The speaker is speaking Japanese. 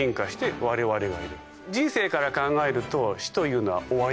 人生から考えると。